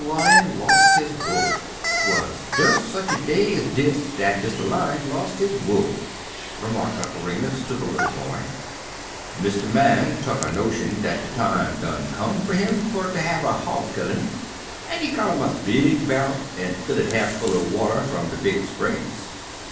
LION LOST HIS WOOL "Twuz des sech a day ez dis dat Mr Lion lost his wool," remarked Uncle Remus to the little boy, "Mr. Man tuck a notion dat de time done come fer him fer ter have a hog killin' an' he got 'im a big barrel, an' fill it half full er water fum de big springs.